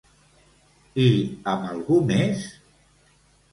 I amb algú més?